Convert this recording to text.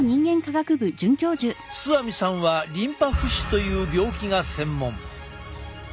須網さんはリンパ浮腫という病気が専門。